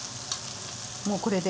もうこれで。